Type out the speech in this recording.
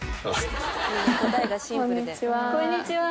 こんにちは。